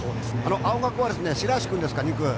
青学は白石君ですか、２区。